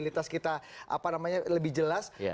untuk maksimalitas kita lebih jelas